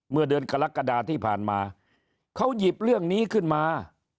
เมื่อเดือนกรกฎาที่ผ่านมาเขาหยิบเรื่องนี้ขึ้นมา